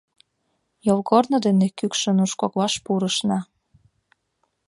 Йолгорно дене кӱкшӧ нуж коклаш пурышна.